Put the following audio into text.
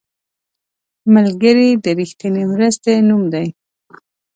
ملګری د رښتینې مرستې نوم دی